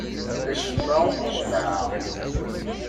Acemma ur t-jemmɛeɣ.